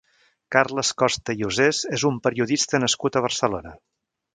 Carles Costa i Osés és un periodista nascut a Barcelona.